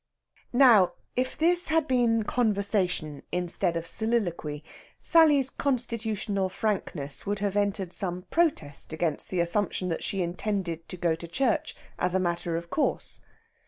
Now, if this had been conversation instead of soliloquy, Sally's constitutional frankness would have entered some protest against the assumption that she intended to go to church as a matter of course.